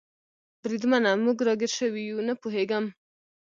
بریدمنه، موږ را ګیر شوي یو؟ نه پوهېږم.